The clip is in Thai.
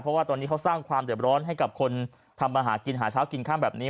เพราะว่าตอนนี้เขาสร้างความเด็บร้อนให้กับคนทำมาหากินหาเช้ากินข้ามแบบนี้